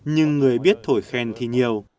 nhưng người biết thổi khen thì nhiều